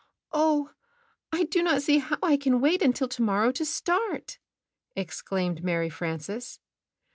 "Oh, I do not see how I can wait until to morrow to start!" exclaimed Mary Frances.